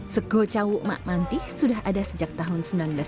segocawo makmanti sudah ada sejak tahun seribu sembilan ratus tujuh puluh dua